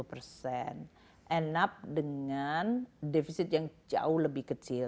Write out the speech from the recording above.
and up dengan defisit yang jauh lebih kecil